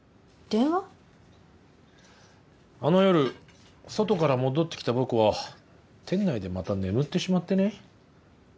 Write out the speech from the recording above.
あの夜外から戻ってきた僕は店内でまた眠ってしまってね。